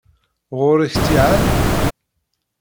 Ɣur-k ttiɛad?